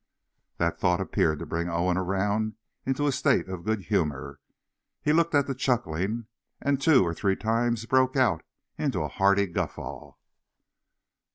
That thought appeared to bring Owen around into a state of good humor. He looked at the chuckling, and two or three times broke out into a hearty guffaw.